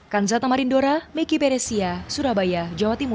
kansa tamarindora miki peresia surabaya jawa timur